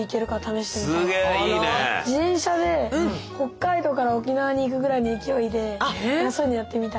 自転車で北海道から沖縄に行くぐらいの勢いでそういうのやってみたい。